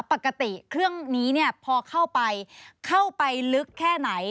ปกติเครื่องนี้เนี่ยพอเข้าไปเข้าไปลึกแค่ไหน